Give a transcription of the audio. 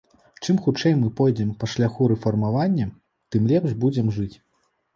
Чым хутчэй мы пойдзем па шляху рэфармавання, тым лепш будзем жыць.